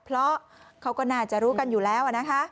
เพราะเขาก็น่าจะรู้กันอยู่แล้วนะคะ